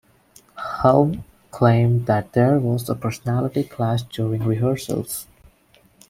Helme claimed that there was a personality clash during rehearsals.